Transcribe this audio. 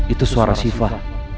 itu suara sifah